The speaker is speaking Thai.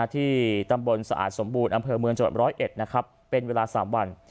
ที่ตำบลสะอาดสมบูรณ์อำเภอเมืองจังหวัด๑๐๑เป็นเวลา๓วัน